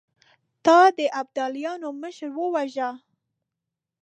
تا د ابداليانو مشر وواژه!